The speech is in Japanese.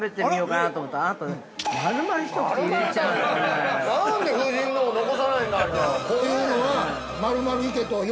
◆なんで、夫人のを残さないんだよ。